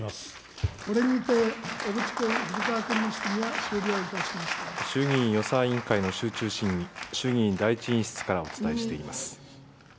これにて小渕君、古川君の質衆議院予算委員会の集中審議、衆議院第１委員室からお伝えしています。